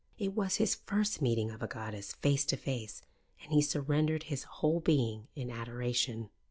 It was his first meeting of a goddess face to face, and he surrendered his whole being in adoration.